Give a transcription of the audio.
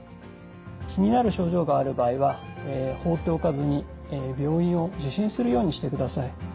気になる症状がある場合は放っておかずに病院を受診するようにしてください。